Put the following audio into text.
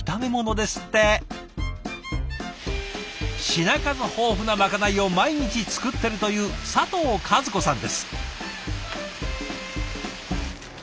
品数豊富なまかないを毎日作ってるという佐藤和子さんです。